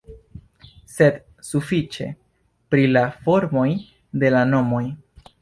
Sed sufiĉe pri la formoj de la nomoj.